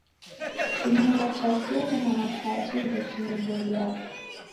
Kimanga cha chughu na makaji ndechiniboiagha.